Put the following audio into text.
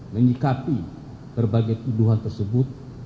menyikapi berbagai tuduhan tersebut